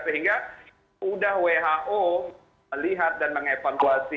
sehingga sudah who melihat dan mengevaluasi